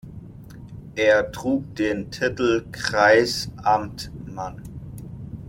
Er trug den Titel Kreisamtmann.